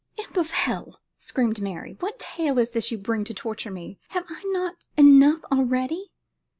"Imp of hell!" screamed Mary; "what tale is this you bring to torture me? Have I not enough already?